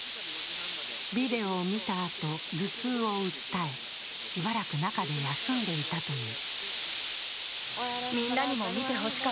ビデオを見たあと、頭痛を訴えしばらく中で休んでいたという。